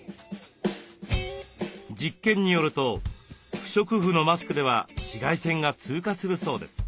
実験によると不織布のマスクでは紫外線が通過するそうです。